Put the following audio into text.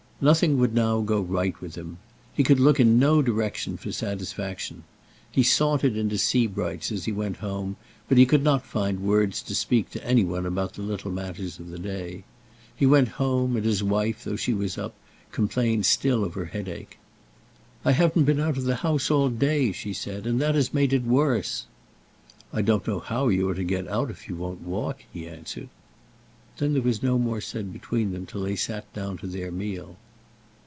Nothing would now go right with him. He could look in no direction for satisfaction. He sauntered into Sebright's, as he went home, but he could not find words to speak to any one about the little matters of the day. He went home, and his wife, though she was up, complained still of her headache. "I haven't been out of the house all day," she said, "and that has made it worse." "I don't know how you are to get out if you won't walk," he answered. Then there was no more said between them till they sat down to their meal.